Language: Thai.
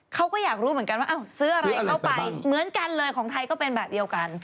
เขาก็อยากรู้เหมือนกันว่าซื้ออะไรเข้าไปเหมือนกันเลยของไทยก็เป็นแบบเดียวกัน